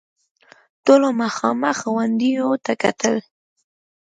ټولو مخامخ غونډيو ته کتل.